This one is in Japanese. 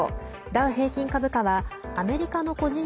ダウ平均株価はアメリカの個人